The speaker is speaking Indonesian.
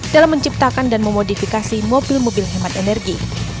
dalam menciptakan dan memodifikasi mobil mobil hemat energi